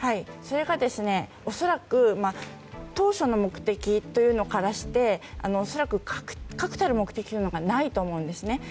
それが当初の目的というのからして恐らく確たる目的というのがないと思うんですね。